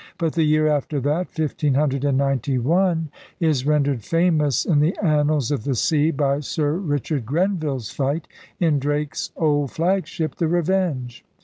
But the year after that, 1591, is rendered famous in the annals of the sea by Sir Richard Grenville's fight in Drake's old flagship, the Revenge.